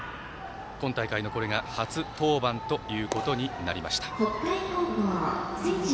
今大会、これが初登板ということになりました。